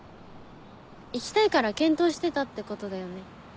行きたいから検討してたってことだよね？